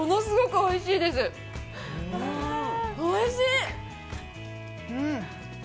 おいしい。